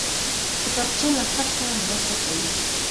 کتابچه له خط سره مرسته کوي